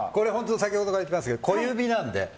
先ほどから言ってますけど小指なんで。